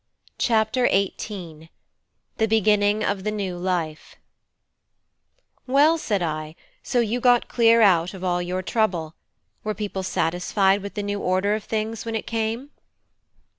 CHAPTER XVIII: THE BEGINNING OF THE NEW LIFE "Well," said I, "so you got clear out of all your trouble. Were people satisfied with the new order of things when it came?"